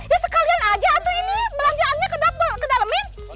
ya sekalian aja tuh ini belanjaannya kedalemin